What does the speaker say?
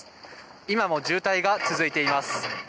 今も渋滞が続いています。